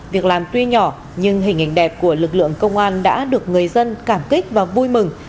việc làm tuy nhỏ nhưng hình hình đẹp của lực lượng công an đã được người dân cảm kích và vui mừng